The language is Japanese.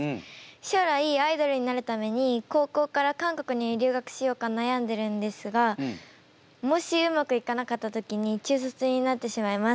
将来アイドルになるために高校から韓国に留学しようかなやんでるんですがもしうまくいかなかった時に中卒になってしまいます。